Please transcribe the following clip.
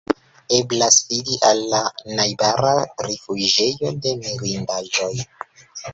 Eblas fidi al la najbara rifuĝejo de Mirindaĵoj.